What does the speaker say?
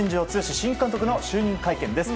新監督の就任会見です。